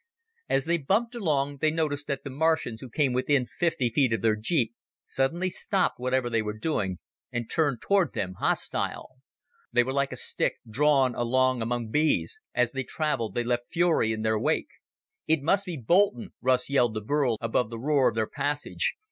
As they bumped along, they noticed that the Martians who came within fifty feet of their jeep suddenly stopped whatever they were doing and turned toward them, hostile. They were like a stick drawn along among bees as they traveled they left fury in their wake. "It must be Boulton," Russ yelled to Burl above the roar of their passage.